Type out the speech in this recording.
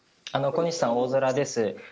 小西さん、大空です。